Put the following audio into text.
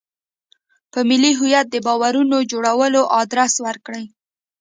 په ملي هویت د باورونو جوړولو ادرس ورکړي.